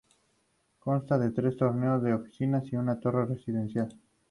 Consta de tres torres de oficinas y una torre residencial.